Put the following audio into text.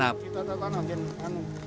disinilah bibit cemara udang akan ditemukan